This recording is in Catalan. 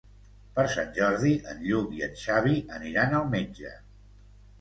Per Sant Jordi en Lluc i en Xavi aniran al metge.